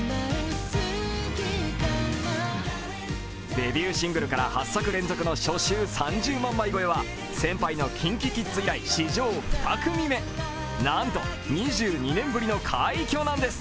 デビューシングルから８作連続の初週３０万枚超えは先輩のＫｉｎＫｉＫｉｄｓ以来、史上２組目なんと、２２年ぶりの快挙なんです